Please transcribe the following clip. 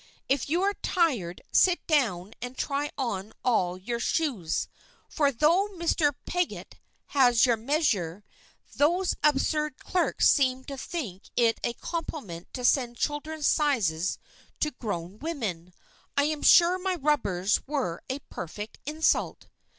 If you are tired sit down and try on all your shoes, for though Mr. Peggit has your measure, those absurd clerks seem to think it a compliment to send children's sizes to grown women. I'm sure my rubbers were a perfect insult."